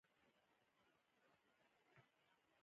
باسواده ښځې په سوداګرۍ کې بریالۍ کیدی شي.